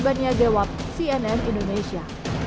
hanya dewap cnn indonesia